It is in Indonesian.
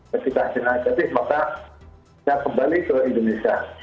ketika hasilnya negatif maka kembali ke indonesia